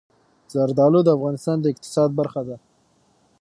زردالو د افغانستان د اقتصاد برخه ده.